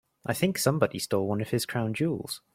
I think somebody stole one of his crown jewels.